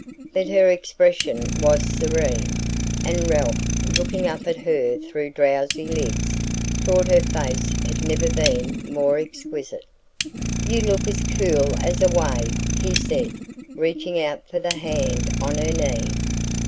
But her expression was serene, and Ralph, looking up at her through drowsy lids, thought her face had never been more exquisite. "You look as cool as a wave," he said, reaching out for the hand on her knee.